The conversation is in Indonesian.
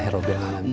mau mengurus ronaldo